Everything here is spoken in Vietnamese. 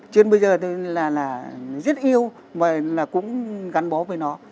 trên bây giờ tôi rất yêu và cũng gắn bó với nó